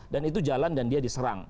dan itu jalan dan dia diserang